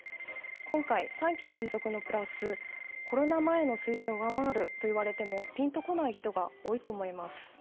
今回、３期連続のプラスコロナ前の水準を上回るといわれてもピンとこない人が多いと思います。